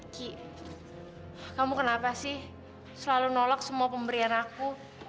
ki kamu kenapa sih selalu nolak semua pemberian aku